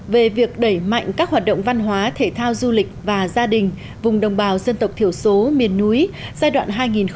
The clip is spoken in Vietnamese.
về việc đẩy mạnh các hoạt động văn hóa thể thao du lịch và gia đình vùng đồng bào dân tộc thiểu số miền núi giai đoạn hai nghìn một mươi chín hai nghìn hai mươi